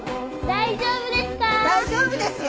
大丈夫です。